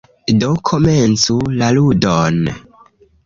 Do, komencu la ludon!